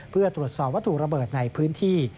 เพื่อตรวจสอบวัตถุระเบิดในพื้นที่